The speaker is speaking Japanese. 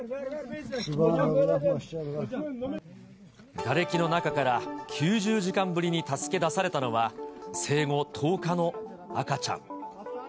がれきの中から９０時間ぶりに助け出されたのは、生後１０日の赤ちゃん。